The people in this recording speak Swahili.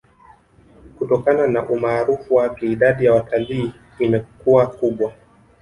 Kutokana na umaarufu wake idadi ya watalii imakuwa kubwa